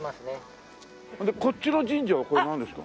こっちの神社はこれなんですか？